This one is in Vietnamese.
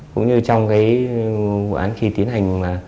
cũng như trong cái vụ án khi tiến hành